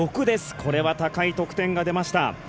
これは高い得点が出ました。